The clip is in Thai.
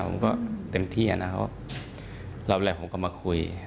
ผมก็เต็มที่แล้วผมก็มาคุย